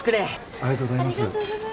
ありがとうございます。